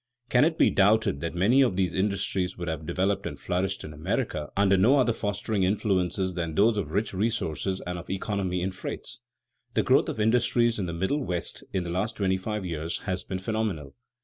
Can it be doubted that many of these industries would have developed and flourished in America under no other fostering influences than those of rich resources and of economy in freights? The growth of industries in the Middle West in the last twenty five years has been phenomenal.